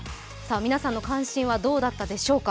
皆さんの関心はどうだったでしょうか。